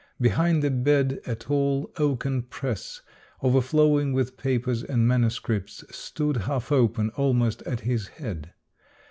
Behind the bed, a tall, oaken press, overflowing with papers and manuscripts, stood half open, almost at his head.